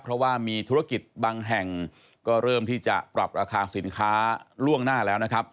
เพราะว่ามีธุรกิจบางแห่งก็เริ่มที่จะปรับราคาสินค้าล่วงหน้าแล้วนะครับ